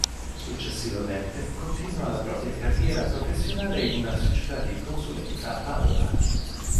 Successivamente continua la propria carriera professionale in una società di consulenza a Padova.